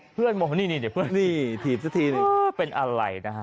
เป็นอะไรนะฮะ